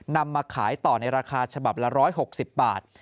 นำมาขายต่อในราคาฉบับละ๑๖๐บาท